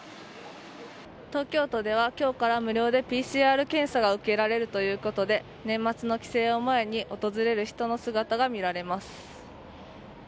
東京都では、今日から無料でＰＣＲ検査が受けられるということで年末の帰省を前に訪れる人の姿が見られます。